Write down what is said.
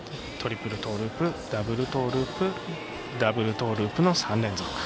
トリプルトーループダブルトーループダブルトーループの３連続。